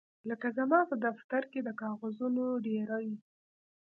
لکه زما په دفتر کې د کاغذونو ډیرۍ